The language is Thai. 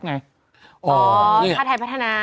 อ๋อชาติไทยพัฒนา